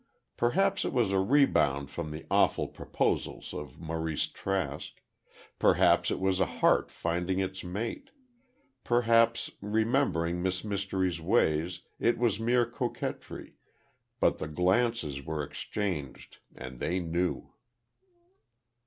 Perhaps it was a rebound from the awful proposals of Maurice Trask; perhaps it was a heart finding its mate—perhaps, remembering Miss Mystery's ways, it was mere coquetry, but the glances were exchanged and they knew.